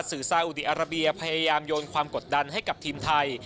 สื่อซาอุดีอาราเบียพยายามโยนความกดดันให้กับทีมไทย